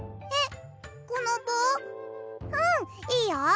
うんいいよ。